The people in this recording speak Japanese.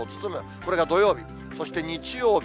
これが土曜日、そして日曜日。